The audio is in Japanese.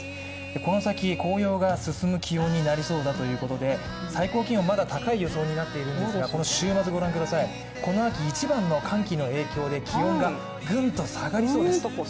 この先紅葉が進む気温になりそうだということで最高気温、まだ高い予想になっているんですがこの週末、この秋一番の寒気の影響で気温がぐんと下がりそうです。